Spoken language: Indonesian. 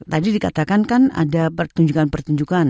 tadi dikatakan kan ada pertunjukan pertunjukan